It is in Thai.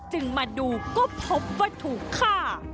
จึงมาดูก็พบว่าถูกฆ่า